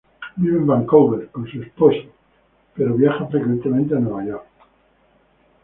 Vive en Vancouver con su esposo pero viaja frecuentemente a Nueva York.